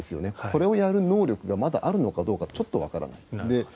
これをやる能力がまだあるのかどうかちょっとわからない。